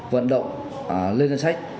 vận động lên danh sách